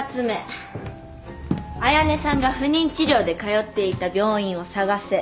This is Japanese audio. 綾音さんが不妊治療で通っていた病院を探せ。